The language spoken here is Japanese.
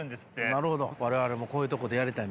なるほど我々もこういうところでやりたいもんです。